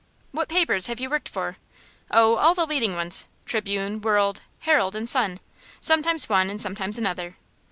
"What papers have you worked for?" "Oh, all the leading ones Tribune, World, Herald, and Sun sometimes one, and sometimes another.